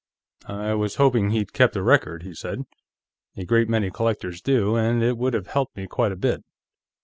"I was hoping he'd kept a record," he said. "A great many collectors do, and it would have helped me quite a bit."